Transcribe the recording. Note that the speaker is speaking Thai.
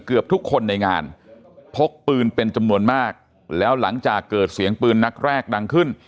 เกือบทุกคนในงานพกปืนเป็นจำนวนมากแล้วหลังจากเกิดเสียงปืนนัดแรกดังขึ้น